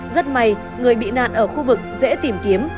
rất may người bị nạn ở khu vực dễ tìm kiếm